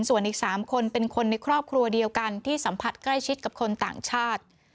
ส่วนอีก๓คนเป็นคนในครอบครัวเดียวกันที่สัมผัสใกล้ชิดกับคนต่างชาติ